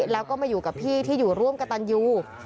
แล้วก็มาอยู่กับพี่ที่อยู่ร่วมกับตันยู